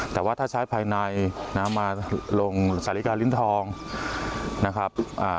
แต่ว่าถ้าใช้ภายในนะมาลงสาฬิกาลิ้นทองนะครับ